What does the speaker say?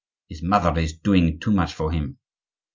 "His mother is doing too much for him."